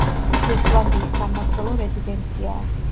ის ვესტლანდიის სამმართველო რეზიდენციაა.